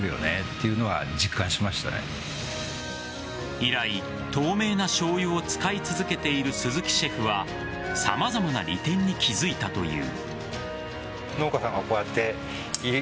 以来、透明なしょうゆを使い続けている鈴木シェフは様々な利点に気付いたという。